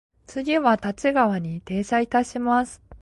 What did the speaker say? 次は立川に停車いたします。